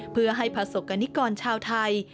เพื่อให้ประสบกรณิกรชาวไทย